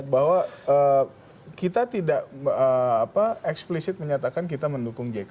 bahwa kita tidak eksplisit menyatakan kita mendukung jk